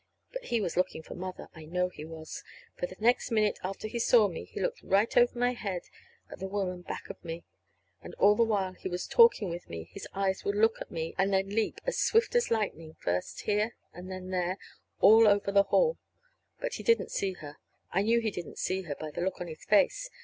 But he was looking for Mother I know he was; for the next minute after he saw me, he looked right over my head at the woman back of me. And all the while he was talking with me, his eyes would look at me and then leap as swift as lightning first here, and then there, all over the hall. But he didn't see her. I knew he didn't see her, by the look on his face.